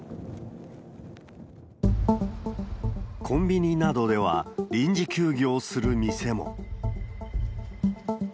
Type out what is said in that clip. コンビニなどでは、臨時休業する店も。